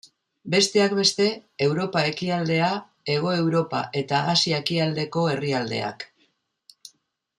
Besteak beste, Europa Ekialdea, Hego Europa eta Asia Ekialdeko herrialdeak.